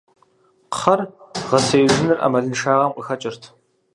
Кхъэр гъэсеижыныр Ӏэмалыншагъэм къыхэкӀырт.